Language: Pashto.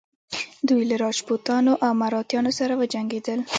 دوی له راجپوتانو او مراتیانو سره وجنګیدل.